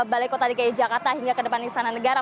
balai kota dki jakarta hingga ke depan istana negara